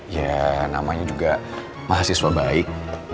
ya namanya juga mahasiswa baik